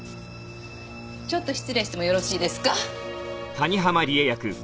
ちょっと失礼してもよろしいですか。